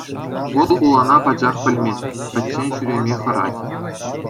Вӑл хулана пачах пӗлмест, пӗччен ҫӳреме хӑрать.